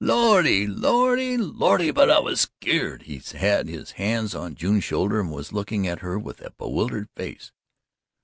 "Lordy, Lordy, Lordy, but I was skeered!" He had his hands on June's shoulders and was looking at her with a bewildered face.